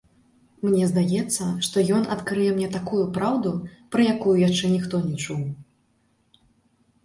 Мне здаецца, што ён адкрые мне такую праўду, пра якую яшчэ ніхто не чуў.